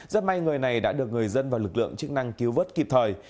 rất may người này đã được người dân và lực lượng chức năng cứu vớt kịp thời